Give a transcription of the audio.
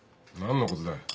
何のことだ。